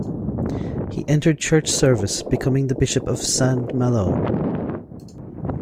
He entered Church service, becoming the Bishop of Saint-Malo.